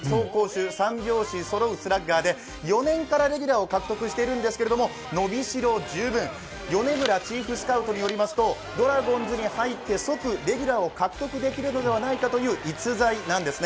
三拍子そろうスラッガーで４年からレギュラーを獲得しているんですけれども、伸びしろ十分、チーフスカウトによりますと、ドラゴンズに入って即レギュラーを獲得できるんじゃないかという逸材なんですね